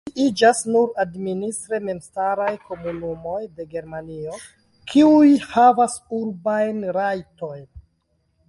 Menciiĝas nur administre memstaraj komunumoj de Germanio, kiuj havas urbajn rajtojn.